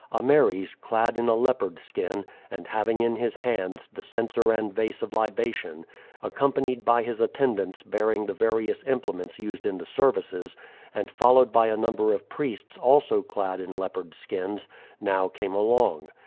Ameres, clad in a leopard skin, and having in his hands the censer and vase of libation, accompanied by his attendants bearing the various implements used in the services, and followed by a number of priests also clad in leopard skins, now came along.